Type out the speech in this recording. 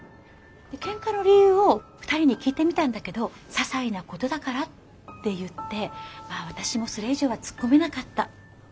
喧嘩の理由を２人に聞いてみたんだけど「ささいなことだから」って言ってまあ私もそれ以上は突っ込めなかった。